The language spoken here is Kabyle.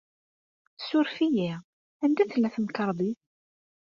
Ssuref-iyi, anda tella temkarḍit?